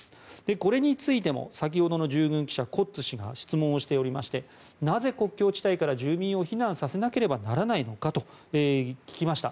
これについても先ほどの従軍記者コッツ氏が質問しておりましてなぜ国境地帯から住民を避難させなければならないのかと聞きました。